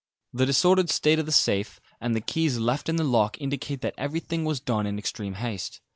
The disordered state of the safe, and the keys left in the lock, indicate that everything was done in extreme haste.